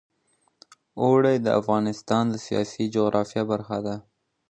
اوړي د افغانستان د سیاسي جغرافیه برخه ده.